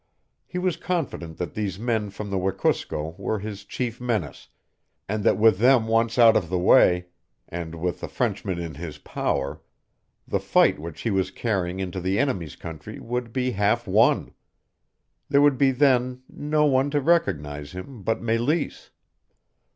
He was confident that these men from the Wekusko were his chief menace, and that with them once out of the way, and with the Frenchman in his power, the fight which he was carrying into the enemy's country would be half won. There would then be no one to recognize him but Meleese.